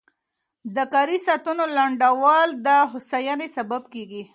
د کاري ساعتونو لنډول د هوساینې سبب کېږي.